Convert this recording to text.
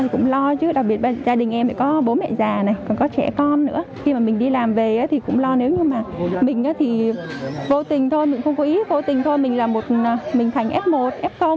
cố tình thôi mình không có ý cố tình thôi mình là một mình thành f một f